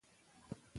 زه ميرويس يم